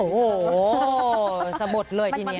โอ้โหสะบดเลยทีนี้